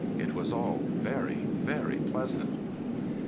It was all very, very pleasant.